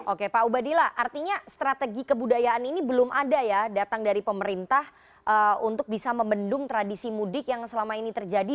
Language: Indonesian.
oke pak ubadillah artinya strategi kebudayaan ini belum ada ya datang dari pemerintah untuk bisa membendung tradisi mudik yang selama ini terjadi